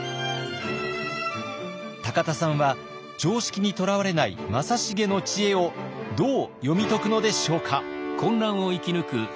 田さんは常識にとらわれない正成の知恵をどう読み解くのでしょうか。